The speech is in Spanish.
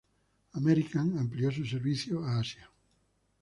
American amplió su servicio a Asia.